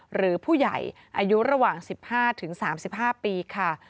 หรือผู้ใหญ่อายุระหว่าง๑๕๓๕ปีค่ะ